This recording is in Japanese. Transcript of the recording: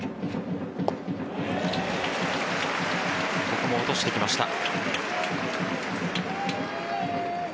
ここも落としてきました。